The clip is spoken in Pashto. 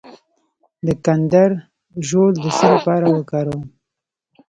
د کندر ژوول د څه لپاره وکاروم؟